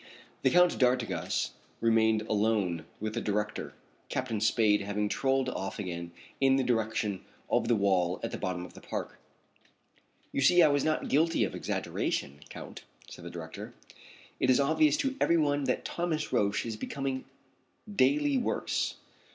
The Count d'Artigas remained alone with the director, Captain Spade having strolled off again in the direction of the wall at the bottom of the park. "You see I was not guilty of exaggeration, Count," said the director. "It is obvious to every one that Thomas Roch is becoming daily worse.